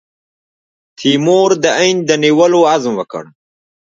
تیمور د هند د نیولو عزم وکړ.